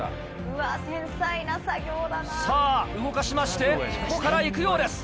さぁ動かしましてここから行くようです